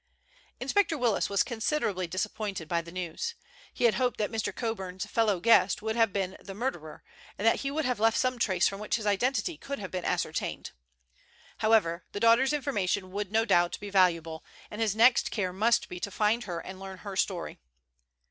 Inspector Willis was considerably disappointed by the news. He had hoped that Mr. Coburn's fellow guest would have been the murderer, and that he would have left some trace from which his identity could have been ascertained. However, the daughter's information would no doubt be valuable, and his next care must be to find her and learn her story.